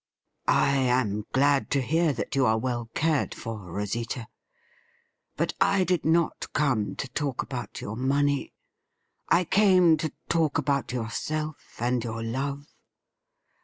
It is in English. I am glad to hear that you are well cared for, Rosita ; but I did not come to talk about your money. I came to talk about yourself and your love.